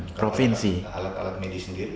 alat alat medis sendiri